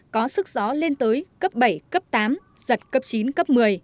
có sức gió lên tới cấp bảy cấp tám giật cấp chín cấp một mươi